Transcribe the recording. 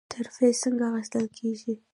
ترفیع څنګه اخیستل کیږي؟